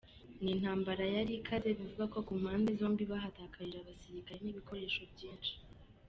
Ni intambara yari ikaze, bivugwa ko ku mpande zombi bahatakarije abasirikare n’ibikoresho byinshi.